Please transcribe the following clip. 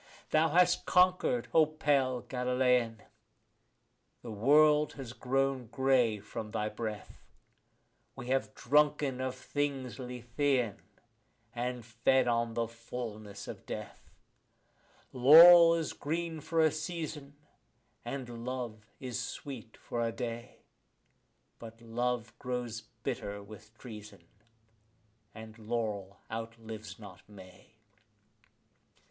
Thou hast conquered, O pale Galilean; the world has grown grey from thy breath; We have drunken of things Lethean, and fed on the fullness of death. Laurel is green for a season, and love is sweet for a day; But love grows bitter with treason, and laurel outlives not May.